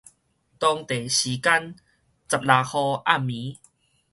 當地時間十六號暗暝